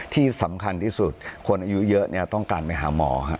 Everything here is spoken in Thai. ที่สำคัญที่สุดคนอายุเยอะต้องการไปหาหมอ